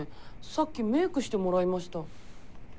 さっきメークしてもらいました。